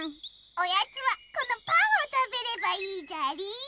おやつはこのパンをたべればいいじゃりー。